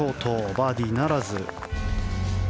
バーディーならず。